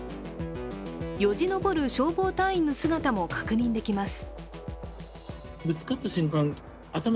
よじ登る消防隊員の姿も確認できます。